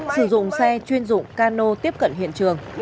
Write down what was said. sử dụng xe chuyên dụng cano tiếp cận hiện trường